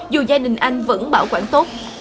dù gia đình anh vẫn bảo quản tốt